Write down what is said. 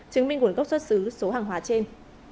chứng minh nguồn gốc xuất xứ số hàng hóa trên